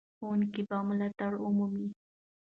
ښوونکي به ملاتړ ومومي.